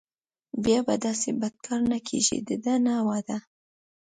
بیا به داسې بد کار نه کېږي دده نه وعده.